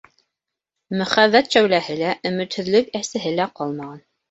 Мөхәббәт шәүләһе лә, өмөтһөҙлөк әсеһе лә ҡалмаған.